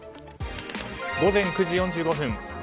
午前９時４５分。